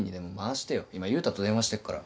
今悠太と電話してっから。